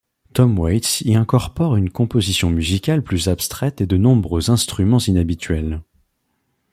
Tom Waits y incorpore une composition musicale plus abstraite et de nombreux instruments inhabituels.